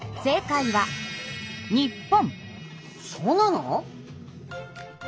そうなの？